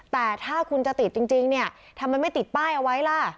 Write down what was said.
แต่ถ้าคุณจะติดจริงเนี่ยทำไมไม่ติดป้ายเอาไว้ล่ะ